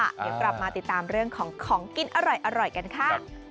เดี๋ยวกลับมาติดตามเรื่องของของกินอร่อยกันค่ะ